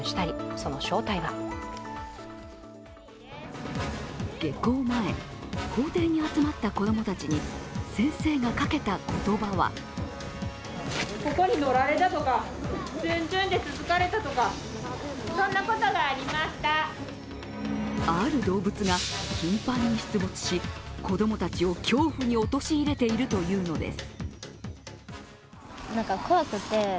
その正体は下校前、校庭に集まった子供たちに先生がかけた言葉はある動物が頻繁に出没し子供たちを恐怖に陥れているというのです。